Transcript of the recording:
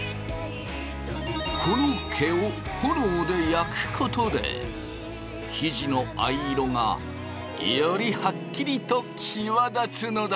この毛を炎で焼くことで生地の藍色がよりハッキリと際立つのだ！